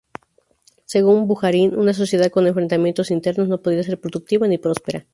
Según Bujarin, una sociedad con enfrentamientos internos no podía ser productiva ni próspera.